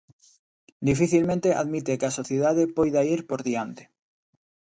Dificilmente admite que a sociedade poida ir por diante.